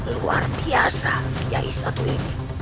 luar biasa kiai satu ini